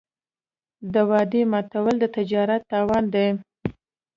د وعدې ماتول د تجارت تاوان دی.